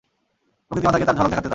প্রকৃতিমাতাকে তার ঝলক দেখাতে দাও!